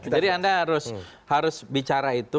jadi anda harus bicara itu